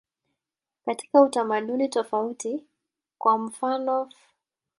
Katika utamaduni tofauti, kwa mfanof.